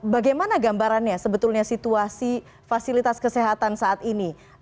bagaimana gambarannya sebetulnya situasi fasilitas kesehatan saat ini